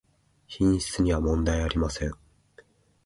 品質にはもんだいありません